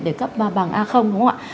để cấp bằng a đúng không ạ